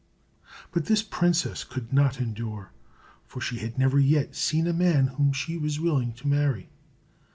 But this the princess could not endure, for she had never yet seen a man whom she was willing to marry.